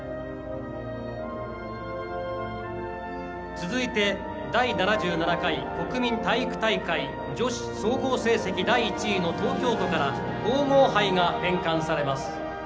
続いて、第７７回国民体育大会女子総合成績第１位の東京都から皇后杯が返還されます。